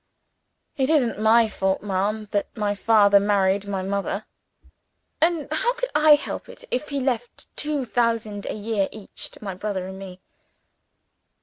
It isn't my fault, ma'am, that my father married my mother. And how could I help it if he left two thousand a year each to my brother and me?"